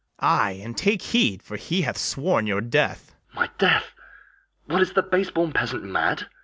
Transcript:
Ay, and take heed, for he hath sworn your death. LODOWICK. My death! what, is the base born peasant mad?